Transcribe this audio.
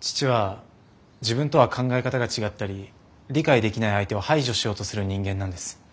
父は自分とは考え方が違ったり理解できない相手を排除しようとする人間なんです。